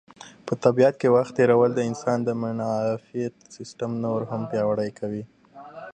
په طبیعت کې وخت تېرول د انسان د معافیت سیسټم نور هم پیاوړی کوي.